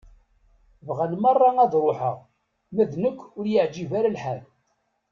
Bɣan merra ad ruḥeɣ, ma d nekk ur y-iεǧib ara lḥal.